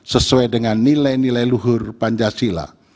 sesuai dengan nilai nilai luhur pancasila